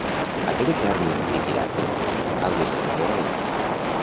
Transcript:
Aquell etern ditirambe al desordre heroic